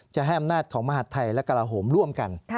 จะให้อำนาจของมหาดไทยและกระลาโหมร่วมกัน